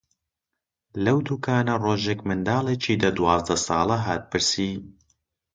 لەو دووکانە ڕۆژێک منداڵێکی دە-دوازدە ساڵە هات پرسی: